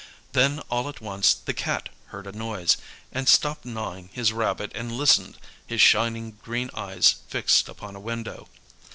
Then all at once the Cat heard a noise, and stopped gnawing his rabbit and listened, his shining green eyes fixed upon a window.